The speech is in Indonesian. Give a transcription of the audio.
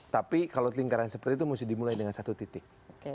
tapi kalau lingkaran seperti itu mesti dimulai dengan satu titik